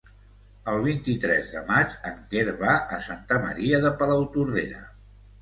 El vint-i-tres de maig en Quer va a Santa Maria de Palautordera.